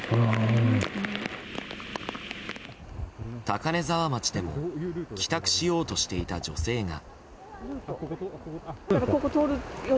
高根沢町でも帰宅しようとしていた女性が。